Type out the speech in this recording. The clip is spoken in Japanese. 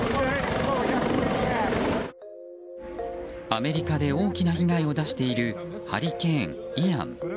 アメリカで大きな被害を出しているハリケーン、イアン。